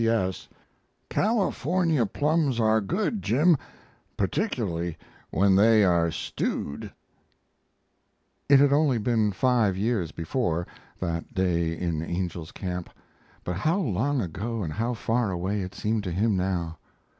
P.S. California plums are good. Jim, particularly when they are stewed. It had been only five years before that day in Angel's Camp but how long ago and how far away it seemed to him now!